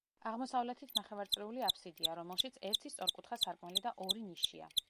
აღმოსავლეთით ნახევარწრიული აფსიდია, რომელშიც ერთი სწორკუთხა სარკმელი და ორი ნიშია.